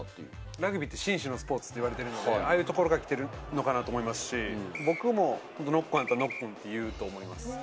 ラグビーは紳士のスポーツって言われてるので、ああいうところから来てるのかなと思いますし、僕もノックオンやったら、ノックオンって言うと思います。